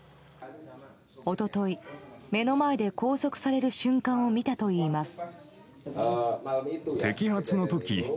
一昨日、目の前で拘束される瞬間を見たといいます。